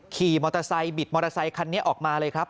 ขี่มอเตอร์ไซค์บิดมอเตอร์ไซคันนี้ออกมาเลยครับ